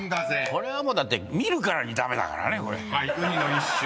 これはもうだって見るからに駄目だからね。